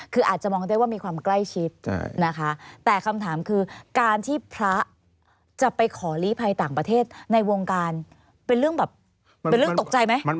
คืออาจจะมองได้ว่ามีความใกล้ชิดนะคะแต่คำถามคือการที่พระจะไปขอลีภัยต่างประเทศในวงการเป็นเรื่องแบบเป็นเรื่องตกใจไหม